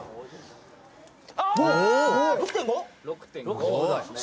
６．５？・６．５ですね。